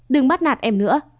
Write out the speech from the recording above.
đừng bắt nạt em nữa